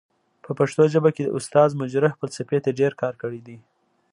په پښتو ژبه کې استاد مجرح فلسفې ته ډير کار کړی دی.